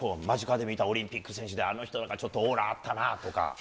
間近で見たオリンピック選手であの人ちょっとオーラあったなとか。